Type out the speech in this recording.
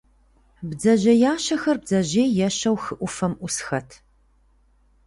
Бдзэжьеящэхэр бдзэжьей ещэу хы Ӏуфэм Ӏусхэт.